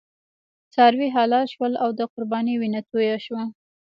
څاروي حلال شول او د قربانۍ وینه توی شوه.